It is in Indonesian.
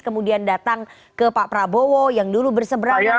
kemudian datang ke pak prabowo yang dulu berseberangan